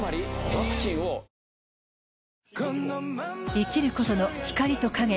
生きることの光と影